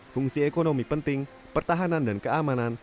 fungsi ekonomi penting pertahanan dan keamanan